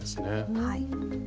はい。